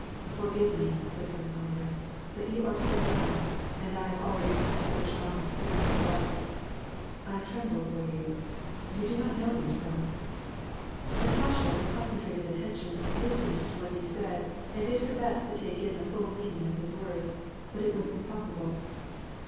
" Forgive me," said Prince Andrei. " But you are so young, and I have already had such long experience of life. I tremble for you. You do not know yourself !" Natasha, with concentrated attention, listened to what he said, and did her best to take in the full meaning of his words ; but it was impossible.